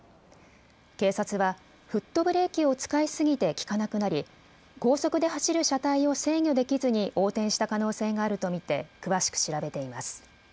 警察はフットブレーキを使いすぎて利かなくなり高速で走る車体を制御できずに横転した可能性があると見て詳しく調べています。